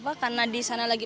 kita ke sini karena disana lagi